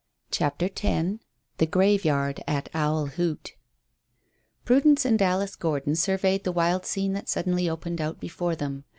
CHAPTER X THE GRAVEYARD AT OWL HOOT Prudence and Alice Gordon surveyed the wild scene that suddenly opened out before them.